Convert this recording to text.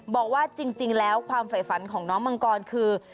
บอกว่าจริงแล้วความฝ่ายฝันของน้องมังกรคือ